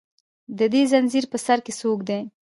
د دې زنځیر په سر کې څوک دي